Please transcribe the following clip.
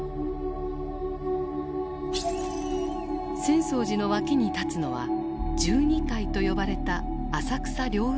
浅草寺の脇に立つのは十二階と呼ばれた浅草凌雲閣。